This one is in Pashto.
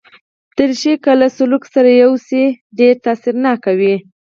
دریشي که له سلوکه سره یوسې، ډېر تاثیرناک وي.